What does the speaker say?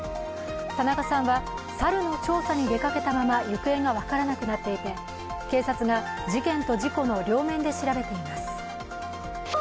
田中さんは猿の調査に出かけたままそのまま行方が分からなくなっていて警察が事件と事故の両面で調べています。